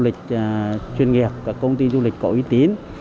các công ty du lịch chuyên nghiệp các công ty du lịch có uy tín